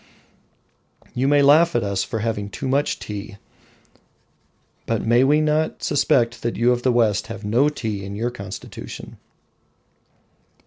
You may laugh at us for having "too much tea," but may we not suspect that you of the West have "no tea" in your constitution?